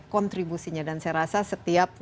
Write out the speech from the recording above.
kontribusinya dan saya rasa setiap